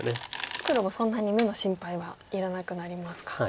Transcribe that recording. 黒もそんなに眼の心配はいらなくなりますか。